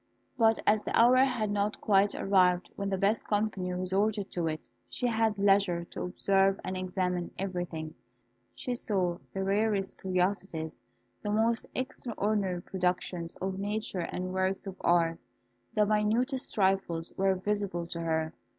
But as the hour had not quite arrived when the best company resorted to it, she had leisure to observe and examine everything. She saw the rarest curiosities, the most extraordinary productions of nature and works of art. The minutest trifles were visible to her.